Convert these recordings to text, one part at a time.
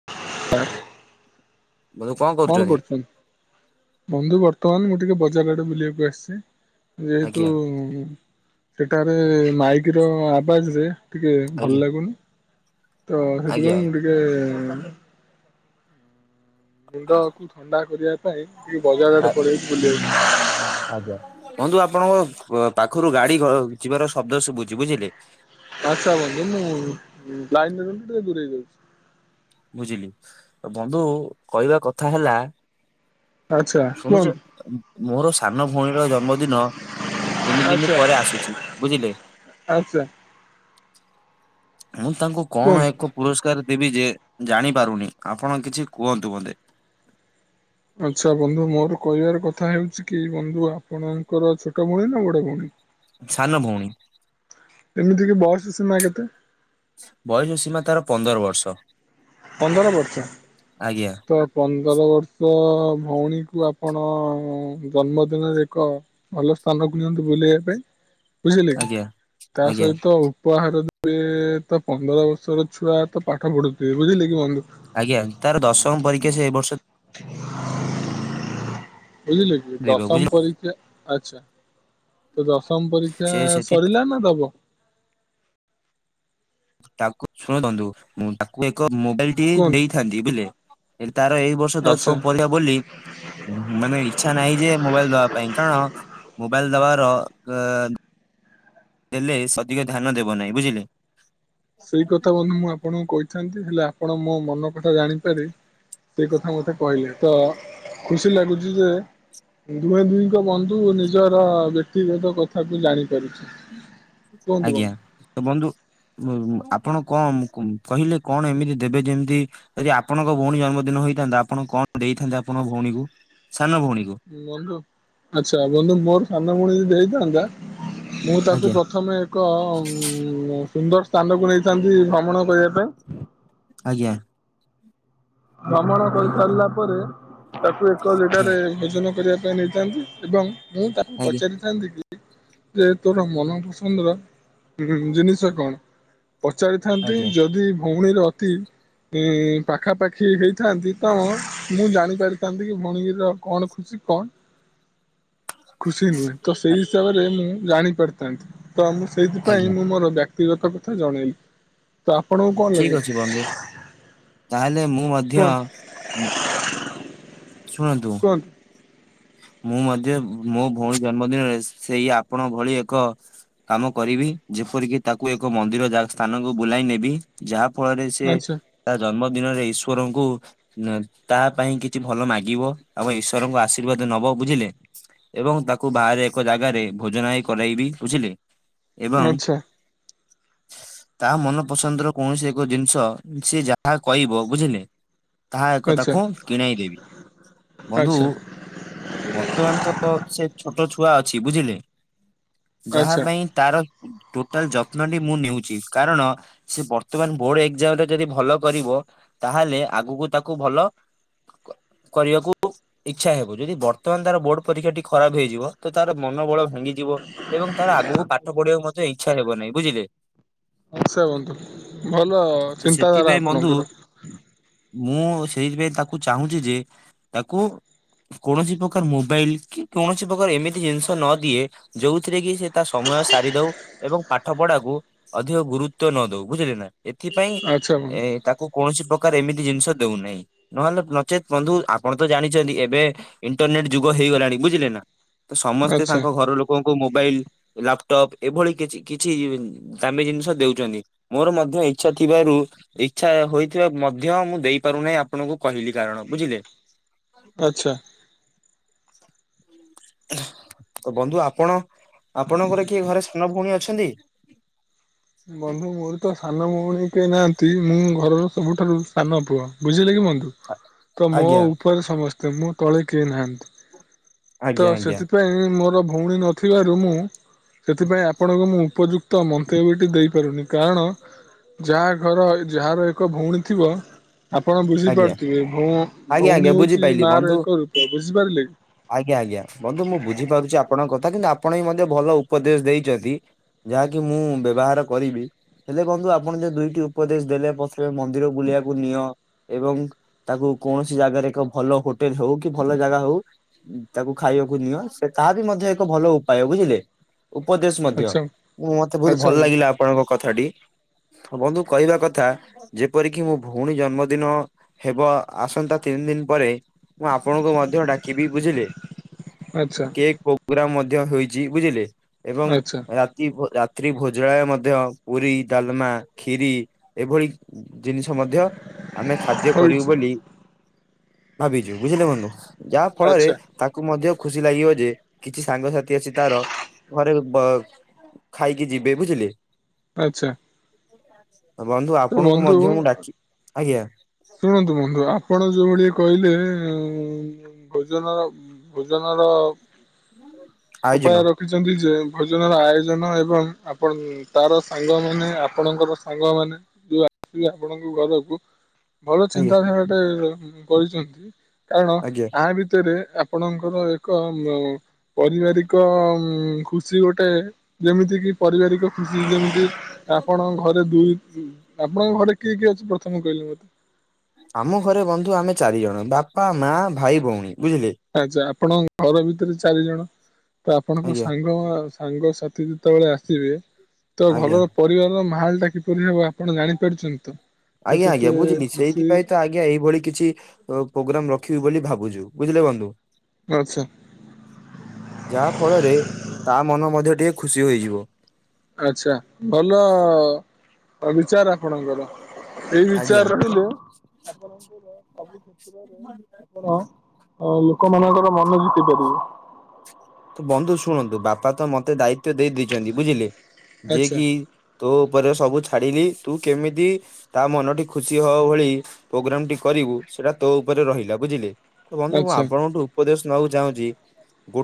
[inaudible] କଣ କରୁଛନ୍ତି? ବନ୍ଧୁ ବର୍ତ୍ତମାନ ମୁଁ ଟିକେ ବଜାର ଆଡେ ବୁଲିବାକୁ ଆସିଛି। ଯେହେତୁ ଆଜ୍ଞା ସେଠାରେ ମାଇକି ର ଆବାଜ ରେ ଟିକେ ଆଜ୍ଞା ଭଲ ଲାଗୁନି, ତ ସେଥିପାଇଁ ଆଜ୍ଞା ମୁଁ ଟିକେ ଆ ମୁଣ୍ଡକୁ ଥଣ୍ଡା କରିବା ପାଇଁ ଟିକେ ବଜାର ଆଡେ ପଳେଇଚି ବୁଲିବାକୁ। ଆଜ୍ଞା, ବନ୍ଧୁ ଆପଣଙ୍କ ପାଖରୁ ଗାଡି ଯିବାର ଶବ୍ଦ ଶୁବୁଛି ବୁଝିଲେ? ଆଛା ବନ୍ଧୁ, ମୁଁ ଲାଇନୁରୁ ଟିକେ ଦୂରେଇ ଯାଉଛି। ବୁଝିଲି, ବନ୍ଧୁ କହିବା କଥା ହେଲା ଆଚ୍ଛା ଶୁଣୁଛ, କୁହନ୍ତୁ ମୋର ସାନ ଭଉଣୀର ଜନ୍ମ ଦିନ ତିନି ଦିନ ପରେ ଆସୁଛି, ବୁଝିଲେ? ଆଛା। ମୁଁ ତାଙ୍କୁ କଣ କୁହନ୍ତୁ। ଏକ ପୁରସ୍କାର ଦେବି ଯେ ଜାଣି ପାରୁନି, ଆପଣ କିଛି କୁହନ୍ତୁ ମୋତେ? ଆଛା ବନ୍ଧୁ, ମୋର କହିବାର କଥା ହେଉଛି କି ବନ୍ଧୁ ଆପଣଙ୍କର ଛୋଟ ଭଉଣୀ ନା ବଡ ଭଉଣୀ? ସାନ ଭଉଣୀ। ଏମିତି କି ବୟସ ସୀମା କେତେ? ବୟୋଜ ସୀମା ତାର ପନ୍ଦର ବର୍ଷ। ପନ୍ଦର ବର୍ଷ ଆଜ୍ଞା ତ ପନ୍ଦର ବର୍ଷ ଭଉଣୀକୁ ଆପଣ ଜନ୍ମଦିନରେ ଏକ ଭଲ ସ୍ଥାନକୁ ନିଅନ୍ତୁ ବୁଲେଇବାପାଇଁ ବୁଝିଲେ କି? ଆଜ୍ଞା ତା ଆଜ୍ଞା। ସହିତ ଉପହାର ଏ ତ ପନ୍ଦର ବର୍ଷର ଛୁଆ ତ ପାଠ ପଢୁଛି ବୁଝିଲେ କି ବନ୍ଧୁ? ଆଜ୍ଞା, ତାର ଦଶମ ପରୀକ୍ଷା ସେ ଏଇ ବର୍ଷ ବୁଝିଲେ କି ଦେବ ବୁଝିଲ ଦଶମ ପରୀକ୍ଷା, ଆଛା। ତ ଦଶମ ପରୀକ୍ଷା ସେ ସେଥି ସରିଲା ନା ଦବ? ତାକୁ ଶୁଣନ୍ତୁ ମୁଁ ତାକୁ ଏକ ମୋବାଇଲ ଟି କୁହନ୍ତୁ ଦେଇ ଥାନ୍ତି ବୁଝିଲେ? ହେ ତାର ଏଇ ବର୍ଷ ଆଚ୍ଛା ଦଶମ ପରିକ୍ଷା ବୋଲି ହୁ ମାନେ ଇଛା ନାହିଁ ଯେ, ମୋବାଇଲ ଦବା ପାଇଁ, କାରଣ ମୋବାଇଲ ଦବାର ଦେଲେ ସେ ଅଧିକ ଧ୍ୟାନ ଦେବ ନାହିଁ ବୁଝିଲେ? ସେଇ କଥା ବନ୍ଧୁ ମୁଁ ଆପଣଙ୍କୁ କହିଥାନ୍ତି, ହେଲେ ଆପଣ ମୋ ମନ କଥା ଜାଣିପାରି ସେ କଥା ମତେ କହିଲେ, ତ ଖୁସି ଲାଗୁଛି ଯେ ଦୁହେଁ ଦୁହିଁଙ୍କ ବନ୍ଧୁ ନିଜର ବ୍ୟକ୍ତିଗତ କଥାକୁ ଜାଣିପାରୁଛି। କୁହନ୍ତୁ ଆଜ୍ଞା ବନ୍ଧୁ ତ ବନ୍ଧୁ ଆପଣ କଣ କହିଲେ କଣ ଏମିତି ଦେବେ ଯେମିତି ଯଦି ଆପଣଙ୍କ ଭଉଣୀ ଜନ୍ମଦିନ ହେଇଥାନ୍ତା, ଆପଣ କଣ ଦେଇଥାନ୍ତେ ଆପଣଙ୍କ ଭଉଣୀକୁ, ସାନ ଭଉଣୀକୁ? ବନ୍ଧୁ ଆଛା, ବନ୍ଧୁ ମୋର ସାନ ଭଉଣି ଯଦି ହେଇଥାନ୍ତା ମୁଁ ତାକୁ ଆଜ୍ଞା ପ୍ରଥମେ ଏକ ଉ ସୁନ୍ଦର ସ୍ଥାନକୁ ନେଇଥାନ୍ତି ଭ୍ରମଣ କରେଇବା ପାଇଁ ଆଜ୍ଞା। ଭ୍ରମଣ କରି ସାରିଲା ପରେ ତାକୁ ଏକ ଆଜ୍ଞା ଜାଗାରେ ଭୋଜନ କରିବା ପାଇଁ ନେଇଥାନ୍ତି। ଏବଂ ମୁଁ ତାକୁ ଆଜ୍ଞା ପଚାରିଥାନ୍ତି କି ଯେ ତୋର ମନପସନ୍ଦ ର ଜି-ଜିନିଷ କଣ? ପଚାରିଥାନ୍ତି ଆଜ୍ଞା ଯଦି ଭଉଣୀର ଅତି ଇ ପାଖାପାଖି ହେଇଥାନ୍ତି ତ ମୁଁ ଜାଣି ପାରିଥାନ୍ତି କି ଭଣୀଗିରି କଣ ଖୁସ କଣ ଖୁସି ତ ସେଇ ହିସାବରେ ମୁଁ ଜାଣି ପାରିଥାନ୍ତି। ତ ମୁଁ ସେଇଥିପାଇଁ ଆଜ୍ଞା ମୁଁ ମୋର ବ୍ୟକ୍ତିଗତ କଥା ଜଣେଇଲି। ତ ଆପଣଙ୍କୁ କଣ ଲାଗେ ଠିକ ଅଛି ବନ୍ଧୁ ତାହେଲେ ମୁଁ ମଧ୍ୟ କୁହନ୍ତୁ ଉଁ ଶୁଣନ୍ତୁ। କୁହନ ମୁଁ ମଧ୍ୟ ମୋ ଭଉଣୀ ଜନ୍ମଦିନରେ ସେଇ ଆପଣ ଭଳି ଏକ କାମ କରିବି ଯେପରିକି ତାକୁ ଏକ ମନ୍ଦିର ଯା ସ୍ଥାନକୁ ବୁଲାଇ ନେବି। ଯାହା ଫଳରେ ସେ ଆଚ୍ଛା ତା ଜନ୍ମ ଦିନରେ ଈଶ୍ଵରଙ୍କୁ ଉଁ ତା ପାଇଁ କିଛି ଭଲ ମାଗିବ ଆମ ଈଶ୍ଵରଙ୍କୁ ଆସ ଆଶୀର୍ବାଦ ନବ ବୁଝିଲେ। ଏବଂ ତାକୁ ବାହାରେ ଏକ ଜାଗାରେ ଭୋଜନାଇ କରାଇବି ବୁଝିଲେ। ଏବଂ ଆଚ୍ଛା। ତା ମନ ପସନ୍ଦ ର କୌଣସି ଏକ ଜିନିଷ ସି ଯାହା କହିବ ବୁଝିଲେ ତାହା ଏକ ଆଚ୍ଛା ତାକୁ କିଣେଇ ଦେବି ବନ୍ଧୁ ଆଚ୍ଛା ବର୍ତ୍ତମାନ ତ ସେ ଛୋଟ ଛୁଆ ଅଛି ବୁଝିଲେ ଯାହା ଆଚ୍ଛା ପାଇଁ ତାର ଟୋଟାଲ ଯତ୍ନଟି ମୁଁ ନେଉଛି କାରଣ ସେ ବର୍ତ୍ତମାନ ବୋର୍ଡ ଏକଜାମରେ ଯଦି ଭଲ କରିବ ତାହେଲେ ଆଗକୁ ତାକୁ ଭଲ କ କରିବାକୁ ଇଚ୍ଛା ହେବୁନ। ଯଦି ବର୍ତ୍ତମାନ ତାର ବୋର୍ଡ ପରୀକ୍ଷା ଟି ଖରାପ ହେଇଯିବ ତ ତାର ମନୋବଳ ଭାଙ୍ଗିଯିବ ଏବଂ ତେଣୁ ତାର ଆଗକୁ ପାଠଢିବାକୁ ମତେ ଇଚ୍ଛା ହେବ ନାହିଁ ବୁଝିଲେ। ଆଶା ବନ୍ଧୁ ଭଲ ତ ଚିନ୍ତାଧାରା ସେଥିପାଇଁ ବନ୍ଧୁ ଆପଣଙ୍କର। ମୁଁ ସେଇଥିପାଇଁ ତାକୁ ଚାହୁଁଛି ଯେ ତାକୁ କୌଣସି ପ୍ରକାର ମୋବାଇଲ କି କୌଣସି ପ୍ରକାର ଏମିତି ଜିନିଷ ନ ଦିଏ ଯୋଉଥିରେ କି ସେ ତା ସମୟ ସାରି ଦଉ ଏବଂ ପାଠ ପଢାକୁ ଅଧିକ ଗୁରୁତ୍ୱ ନ ଦଉ ବୁଝିଲେ ନା। ଏଥିପାଇଁ ଆଚ୍ଛା ଏ ବନ୍ଧୁ ତାକୁ କୌଣସି ପ୍ରକାର ଏମିତି ଜିନିଷ ଦଉନାହିଁ ନହେଲେ ନଚେତ୍ ବନ୍ଧୁ ଆପଣ ତ ଜାଣିଛନ୍ତି ଏବେ ଇଣ୍ଟରନେଟ ଯୁଗ ହେଇଗଲାଣି ବୁଝିଲେ ନା ତ ସମସ୍ତେ ଆଚ୍ଛା ତାଙ୍କ ଘର ଲୋକଙ୍କୁ ମୋବାଇଲ ଲାପଟପ୍ ଏଭଳି କିଛି କିଛି ଦାମୀ ଜିନିଷ ଦଉଛନ୍ତି ମୋର ମଧ୍ୟ ଇଚ୍ଛା ଥିବାରୁ ଇଚ୍ଛା ହୋଇଥିବା ମଧ୍ୟ ମୁଁ ଦେଇ ପାରୁନାହିଁ ଆପଣଙ୍କୁ କହିଲି କାରଣ ବୁଝିଲେ। ଆଚ୍ଛା। ତ ବନ୍ଧୁ ଆପଣ ଆପଣଙ୍କର କିଏ ଘରେ ସାନ ଭଉଣୀ ଅଛନ୍ତି? ବନ୍ଧୁ ମୋର ତ ସାନ ଭଉଣୀ କେହି ନାହାନ୍ତି ମୁଁ ଘରର ସବୁଠାରୁ ସାନ ପୁଅ ବୁଝିଲେ କି ବୁନ୍ଧୁ। ତ ମୋ ଆଜ୍ଞା ଉପରେ ସମସ୍ତେ ମୁଁ ତଳେ କେହି ନାହାନ୍ତି। ତ ଆଜ୍ଞା ଆଜ୍ଞା ସେଥିପାଇଁ ମୋର ଭଉଣୀ ନ ଥିବାରୁ ମୁଁ ସେଥିପାଇଁ ଆପଣଙ୍କୁ ମୁଁ ଉପଯୁକ୍ତ ମନ୍ତବ୍ୟ ଦେଇ ପାରୁନି କାରଣ ଯାହା ଘର ଯାହାର ଏକ ଭଉଣୀ ଥିବ ଆପଣ ଆଜ୍ଞା ବୁଝିପାରୁଥିବେ ଭୋ ଆଜ୍ଞା ଆଜ୍ଞା ଭଉଣୀ ହଉଛି ବୁଝିପାଇଲି ମା ର ବନ୍ଧୁ ଏକ ରୂପ ବୁଝିପାରିଲେ? ଆଜ୍ଞା ଆଜ୍ଞା ବନ୍ଧୁ ମୁଁ ବୁଝିପାରୁଛି ଆପଣଙ୍କ କଥା କିନ୍ତୁ ଆପଣ ହିଁ ମଧ୍ୟ ଭଲ ଉପଦେଶ ଦେଇଛନ୍ତି। ଯାହାକି ମୁଁ ବ୍ୟବହାର କରିବି। ହେଲେ ବନ୍ଧୁ ଆପଣ ଯ ଦୁଇଟି ଉପଦେଶ ଦେଲେ ପଥରେ ମନ୍ଦିର ବୁଲିବାକୁ ନିଅ। ଏବଂ ତାକୁ କୌଣସି ଜାଗାରେ ଏକ ଭଲ ହୋଟେଲ ହଉ କି ଭଲ ଜାଗା ହଉ। ତାକୁ ଖାଇବାକୁ ନିଅ ସେ ତାହା ବି ମଧ୍ୟ ଏକ ଭଲ ଉପାୟ ବୁଝିଲେ। ଉପଦେଶ ମଧ୍ୟ ଆଚ୍ଛା ମତେ ବହୁତ ଆଚ୍ଛା ଭଲ ଲାଗିଲା। ଆପଣଙ୍କ କଥାଟି ବନ୍ଧୁ କହିବା କଥା ଯେପରିକି ମୁଁ ଭଉଣୀ ଜନ୍ମଦିନ ହେବ ଆସନ୍ତା ତିନି ଦିନ ପରେ। ମୁଁ ଆପଣଙ୍କୁ ମଧ୍ୟ ଡାକିବି ବୁଝିଲେ ଆଚ୍ଛା କେକ ଓ ପୁରା ମଧ୍ୟ ହୋଇଛି ବୁଝିଲେ ଏବଂ ଆଚ୍ଛା ରା ତି ରାତ୍ରି ଭୋଜଳାୟ ମଧ୍ୟ ପୁରୀ, ଡାଲମା, କ୍ଷୀରି ଏଭଳି ଜିନିଷ ମଧ୍ୟ ଆମେ ଖାଦ୍ୟ କରିବୁ ହୋଇଛି ବୋଲି ଭାବିଛୁ ବୁଝିଲେ ବନ୍ଧୁ ଯାହା ଫଳରେ ଆଚ୍ଛା ତାକୁ ମଧ୍ୟ ଖୁସି ଲାଗିବ ଯେ କିଛି ସାଙ୍ଗସାଥି ଆସି ତାର ଘରେ ବ ଖାଇକି ଯିବେ ବୁଝିଲେ। ଆଚ୍ଛା। ବନ୍ଧୁ ତ ଆପଣଙ୍କୁ ମଧ୍ୟ ମୁଁ ବନ୍ଧୁ ଡାକି ଆଜ୍ଞା। ଶୁଣନ୍ତୁ ବନ୍ଧୁ ଆପଣ ଯୋଉ ଭଳି କହିଲେ-ଏ-ଏ-ଏ-ଉ-ଉ ଭୋଜନର ଭୋଜନ ର ଆୟୋଜନ ଉପାୟର ରଖିଛନ୍ତି ଯେ ଭୋଜନର ଆୟୋଜନ ଏବଂ ଆପଣ ତାର ସାଙ୍ଗ ମାନେ ଆପଣଙ୍କର ସାଙ୍ଗ ମାନେ [unintelligible] ଆପଣଙ୍କ ଘରକୁ ଭଲ ଆଜ୍ଞା। ଚିନ୍ତାଧାରାଟେ-ଏ-ଏ କରିଛନ୍ତି। କାରଣ ଆଜ୍ଞା ଆହା ଭିତରେ ଆପଣଙ୍କର ଏକ ଉ-ଉ ପରିବାରିକ-ଅ-ଅ-ଅ-ମ୍ ଖୁସି ଗୋଟେ ଯେମିତି କି ପରିବାରିକ ଖୁସି ଯେମି ତି ଆପଣଙ୍କ ଘରେ ଦୁଇ ଆପଣଙ୍କ ଘରେ କିଏ କିଏ ଅଛନ୍ତି ପ୍ରଥମେ କହିଲେ ମତେ? ଆମ ଘରେ ବନ୍ଧୁ ଆମେ ଚାରି ଜଣ। ବାପା, ମା, ଭାଇ ଭଉଣୀ ବୁଝିଲେ। ଆଛା ଆପଣଙ୍କ ଘର ଭିତରେ ଚାରି ଜଣ ତ ଆପଣଙ୍କ ଆଜ୍ଞା। ସାଙ୍ଗ-ଅ-ଅ-ଅ ସାଙ୍ଗସାଥି ଯେତେବେଳେ ଆସିବେ ତ ଆଜ୍ଞା ଘର ପରିବାରର ମାହାଲ ଟା କିପରି ହବ ଆପଣ ଜାଣିପାରିଛନ୍ତି ତ। ତ ଆଜ୍ଞା କେତେ ଆଜ୍ଞା ବୁଝିଲି ଖୁସି ସେଇଥିପାଇ ତ ଆ ଜ୍ଞା ଏଇଭଳି କିଛି ଅ ପ୍ରୋଗ୍ରାମ ରଖିବି ବୋଲି ଭାବୁଛୁ ବୁଝିଲେ ବନ୍ଧୁ। ଆଚ୍ଛା। ଯାହା ଫଳରେ ତା ମନ ମଧ୍ୟ ଟିକେ ଖୁସି ହୋଇଯିବ। ଆଛା ଭଲ-ଅ-ଅ-ଅ ବିଚାର ଆପଣଙ୍କର। ଏଇ ଆଜ୍ଞା। ବିଚାର ତ ରହିଲେ ଆପଣଙ୍କର ସବୁ କ୍ଷେତ୍ରରେ ଆପଣ ଅ ଲୋକମାନଙ୍କର ମନ ଜିତି ପାରିବେ। ତ ବନ୍ଧୁ ଶୁଣନ୍ତୁ ବାପା ତ ମତେ ଦାୟିତ୍ବ ଦେଇ ଦେଇଛନ୍ତି ବୁଝିଲେ ଯିଏ ଆଚ୍ଛା କି ତୋ ଉପରେ ସବୁ ଛାଡିଲି ତୁ କେମିତି ତା ମନଟି ଖୁସି ହବ ଭଳି ପ୍ରୋଗ୍ରାମ ଟି କରିବୁ ସେଟା ତୋ ଉପରେ ରହିଲା ବୁଝିଲେ। ତ ବନ୍ଧୁ ମୁଁ ଆଚ୍ଛା। ଆପଣଙ୍କଠୁ ଉପଦେଶ ନେବାକୁ ଚାହୁଁଛି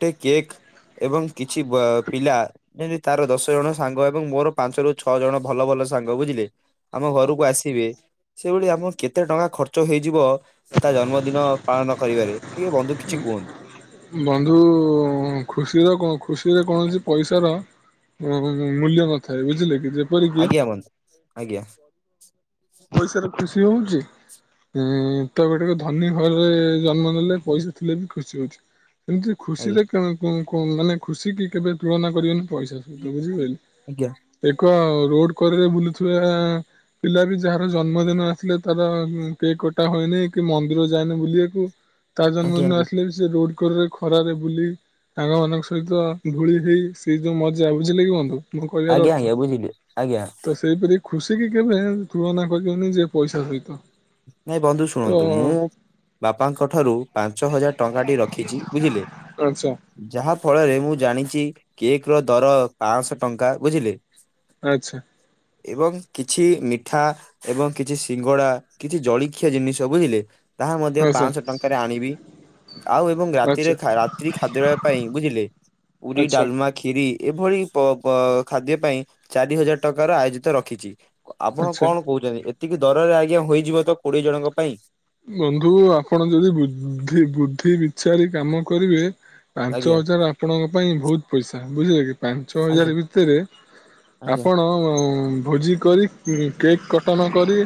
ଗୋଟେ କେକ୍ ଏବଂ କିଛି ବ ପିଲା ଏମିତି ତାର ଦଶ ଜଣ ସାଙ୍ଗ ଏବଂ ମୋର ପାଞ୍ଚରୁୁ ଛଅ ଜଣ ଭଲ ଭଲ ସାଙ୍ଗ ବୁଝିଲେ। ଆମ ଘରକୁ ଆସିବେ। ସେଇଭଳି ଆମ କେତେ ଟଙ୍କା ଖର୍ଚ୍ଚ ହେଇଯିବ ତା ଜନ୍ମଦିନ ପାଳନ କରିବାରେ ଟିକେ ବନ୍ଧୁ କିଛି କୁହନ୍ତୁ ବନ୍ଧୁ-ଉ-ଉ-ଉ-ଉ ଖୁସିର କୋ ଖୁସିରେ କୌଣସି ପଇସା ର ଉ-ଉ-ଉ-ଉ ମୂଲ୍ୟନଥାଏ ବୁଝିଲେ କି ଯେ ଆଜ୍ଞା ବନ୍ଧୁ ଆଜ୍ଞା। ପଇସାର ଖୁସି ହଉଛି ଏଁ-ଏ-ଏ-ଏ ତ ଗୋଟେ ରେ ଧନୀ ଘରରେ-ଏ-ଏ ଜନ୍ମ ନେଲେ ପଇସା ଥିଲେ ବି ଖୁସି ହଉଛି। ଏମିତି ଆଜ୍ଞା ଖୁସିରେ କ-କ-କେ ମାନେ ଖୁସି କି କେବେ ତୁଳନା କରିବେନି ପଇସା ସହିତ ବୁଝି ଆଜ୍ଞା ପାଇଲେ। ଏକ ରୋଡ୍ କରରେ ବୁଲୁଥିବା ପିଲା ବି ଯାହା ଜନ୍ମଦିନ ଆସିଲେ ତାର ଉ-ଉ କେକ୍ କଟା ହଏନି କି ମନ୍ଦିର ଯାଏନି ବୁଲିବାକୁ। ତା ଆଜ୍ଞା ଆଜ୍ଞା ଜନ୍ମଦିନ ଆସିଲେ ବି ସେ ରୋଡ୍ କରରେ ଖରାରେ ବୁଲି ସାଙ୍ଗ ମାନଙ୍କ ସହିତ ଧୂଳି ହେଇ ସେଇ ଯୋଉ ମଜା ବୁଝିଲେ କି ବନ୍ଧୁ ମୁଁ କହିବାର ଆଜ୍ଞା ଅର୍ଥ। ଆଜ୍ଞା ବୁଝିଲି ଆଜ୍ଞା ତ ସେଇପରି ଖୁସି କି କେବେ ତୁଳନା କରିବନି ଯେ ପଇସା ସହିତ। ନାଇଁ ବନ୍ଧୁ ତ ଶୁଣନ୍ତୁ ମୁଁ-ଉ-ଉ ବାପାଙ୍କଠାରୁ ପାଞ୍ଚ ହଜାର ଟଙ୍କାଟି ରଖିଛି ବୁଝିଲେ। ଆଚ୍ଛା। ଯାହା ଫଳରେ ମୁଁ ଜାଣିଛି, କେକ୍ ର ଦର ପାଁ ଶହ ଟଙ୍କା ବୁଝିଲେ। ଆଚ୍ଛା। ଏବଂ କିଛି ମିଠା ଏବଂ କିଛି ସିଙ୍ଗଡ଼ା କିଛି ଜଳଖିଆ ଜିନିଷ ବୁଝିଲେ, ତାହା ମଧ୍ୟ ଆଚ୍ଛା ପାଁଶହ ଟଙ୍କାରେ ଆଣିବି। ଆଉ ଏବଂ ରାତିରେ ଆଚ୍ଛା ରାତ୍ରି ଖାଦ୍ୟ ପାଇଁ ବୁଝିଲେ, ପୁରୀ ଆଚ୍ଛା ଡାଲମା ଖିରି, ଏଭଳି ପ ପ ଖାଦ୍ୟ ପାଇଁ ଚାରି ହଜାର ଟଙ୍କାର ଆୟୋଜିତ ରଖିଛି। ଆପଣ ଆଚ୍ଛା କଣ କହୁଛନ୍ତି, ଏତିକି ଦରରେ ଆଜ୍ଞା ହୋଇଯିବ ତ କୋଡିଏ ଜଣଙ୍କ ପାଇଁ? ବନ୍ଧୁ ଆପଣ ଯଦି ବୁଦ୍ଧି, ବୁଦ୍ଧି ବିଚାରି କାମ କରିବେ ପାଞ୍ଚ ଆଜ୍ଞା ହଜାର ଆପଣଙ୍କ ପାଇଁ ବହୁତ ପଇସା ବୁଝିଲେ କି। ପାଞ୍ଚ ଆଜ୍ଞା ହଜାର ଭିତରେ, ଆଜ୍ଞା ଆପଣ ଭୋଜି କରି, କେକ୍ କଟଣ କରି,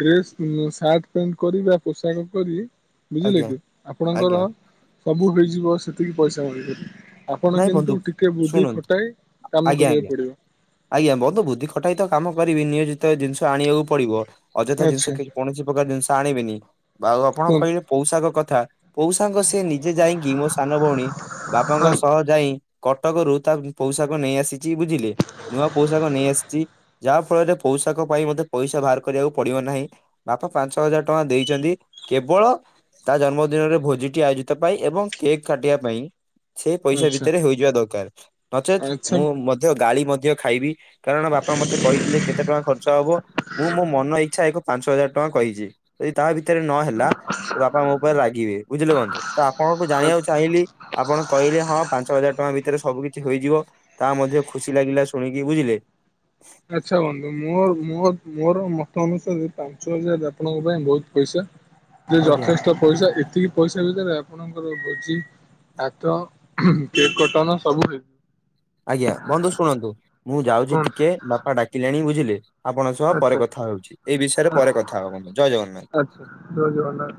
ଡ୍ରେସ୍ ସାର୍ଟ ପ୍ୟାଣ୍ଟ କରିକି ପୋଷାକ କରି, ବୁଝିଲେ ଆଜ୍ଞା କି ଆପଣଙ୍କର ଆଜ୍ଞା ସବୁ ହେଇଯିବ, ସେତିକି ପଇସା [unintelligible] ଆପଣ ନାଇଁ ବନ୍ଧୁ କିନ୍ତୁ ଟିକେ ବୁଦ୍ଧି ଶୁଣନ୍ତୁ ଖଟାଇ କାମ ଆଜ୍ଞା ଆଜ୍ଞା କରିବାକୁ ପଡିବ। ଆଜ୍ଞା ବନ୍ଧୁ ବୁଦ୍ଧି ଖଟାଇ ତ କାମ କରିବି, ନିୟୋଜିତ ଜିନିଷ ଆଣିବାକୁ ପଡିବ। ଅଯଥା ଆଚ୍ଛା ଜିନିଷ କିଣି କୌଣସି ପ୍ରକାର ଜିନିଷ ଆଣିବେନି, ବା ଆଉ ଆପଣ କହିଲେ ପୋଷାକ କଥା ପୌଷକ, ସେ ନିଜେ ଯାଇକି ମୋ ସାନ ଭଉଣୀ ବାପାଙ୍କ କୁହନ୍ତୁ ସହ ଯାଇ କଟକରୁ ତା ପୋଷାକ ନେଇ ଆସିଛି, ବୁଝିଲେ ନୂଆ ପୋଷାକ ନେଇ ଆସିଛି। ଯାହା ଫଳରେ ପୌଷାକ ପାଇଁ ମତେ ପଇସା ବାହାର କରିବାକୁ ପଡିବ ନାହିଁ। ବାପା ପାଞ୍ଚ ହଜାର ଟଙ୍କା ଦେଇଚନ୍ତି, କେବଳ ତା ଜନ୍ମଦିନରେ ଭୋଜିଟି ଆୟୋଜିତ ପାଇଁ, ଏବଂ କେକ୍ କାଟିବା ପାଇଁ। ସେ ପଇସା ଆଚ୍ଛା ଭିତରେ ହୋଇଯିବା ଦରକାର, ନଚେତ ଆଚ୍ଛା ମୁଁ ମଧ୍ୟ ଗାଳି ମଧ୍ୟ ଖାଇବି। କାରଣ ବାପା ମତେ କହିଥିଲେ କେତେ ଟଙ୍କା ଖର୍ଚ୍ଚ ହବ? ମୁଁ ମୋ ମନ ଇଚ୍ଛା ଏକ ପାଞ୍ଚ ହଜାର ଟଙ୍କା କହିଚି, ଯଦି ତା ଭିତରେ ନହେଲା ତ ବାପା ମୋ ଉପରେ ରାଗିବେ ବୁଝିଲେ ବନ୍ଧୁ, ତ ଆପଣଙ୍କୁ ଆ ଜାଣିଆକୁ ଚାହିଁଲିି। ଆପଣ କହିଲେ ହଁ ପାଞ୍ଚ ହଜାର ଟଙ୍କା ଭିତରେ ସ ସବୁ କିିଛି ହୋଇଯିବ, ତା ମଧ୍ୟ ଖୁସି ଲାଗିଲା ଶୁଣିକି ବୁଝିଲେ। ଆଚ୍ଛା ବନ୍ଧୁ ମୋର ମୋ ମୋର ମତ ଅନୁସାରେ, ପାଞ୍ଚ ହଜାର ଆପଣଙ୍କ ପାଇଁ ବହୁତ ପଇସା। ଯେ ଆଜ୍ଞା ଯଥେଷ୍ଟ ପଇସା, ଏତିକି ପଇସା ଭିତରେ ଆପଣଙ୍କର ଭୋଜି ଭାତ, କେକ୍ କଟଣ ସବୁ ହୋ ଆଜ୍ଞା ବନ୍ଧୁ ଶୁଣନ୍ତୁ, ମୁଁ ଯାଉଛି କୁହନ୍ତୁ ଟିକେ ବାପା ଡାକିଲେଣି ବୁଝିଲେ। ଆପଣଙ୍କ ସହ ପରେ ଆଚ୍ଛା କଥା ହଉଛି, ଏଇ ବିଷୟରେ ଆଚ୍ଛା ପରେ କଥା ହବା ବନ୍ଧୁ ଜୟ ଜଗନ୍ନାଥ। ଆଚ୍ଛା ଜୟ ଜଗନ୍ନାଥ।